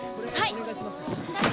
お願いします。